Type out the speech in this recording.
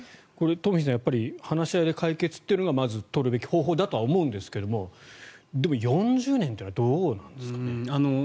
トンフィさん話し合いで解決というのがまず取るべき方法だとは思うんですけどもでも４０年っていうのはどうなんですかね。